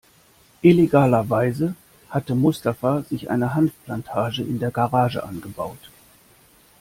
Illegalerweise hatte Mustafa sich eine Hanfplantage in der Garage angebaut.